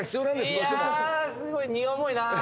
すごい荷が重いな。